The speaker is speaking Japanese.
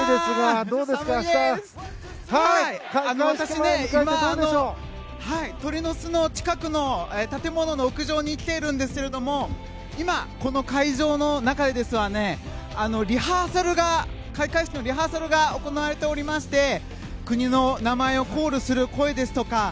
私、今、鳥の巣の近くの建物の屋上に来ているんですが今、この会場の中では開会式のリハーサルが行われておりまして国の名前をコールする声ですとか